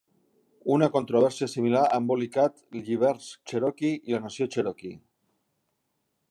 Una controvèrsia similar ha embolicat lliberts Cherokee i la Nació Cherokee.